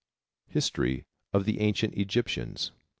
History of the Ancient Egyptians.